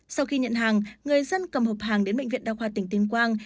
sau khi nhận hàng người dân cầm hộp hàng đến bệnh viện đa khoa tỉnh tuyên quang